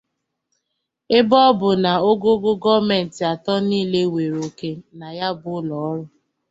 ebe ọ bụ na ogoogo gọọmenti atọ niile nwere òkè na ya bụ ụlọọrụ.